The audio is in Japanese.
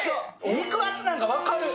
肉厚なんが分かる！